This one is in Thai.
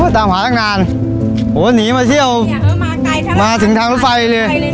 ตามหาตั้งนานโหหนีมาเที่ยวมาถึงทางรถไฟเลย